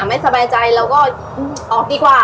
อายุไม่สบายใจแล้วก็ออกดีกว่า